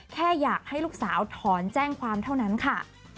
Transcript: แค่อยากให้ลูกสาวถอนแจ้งความเท่านั้นค่ะ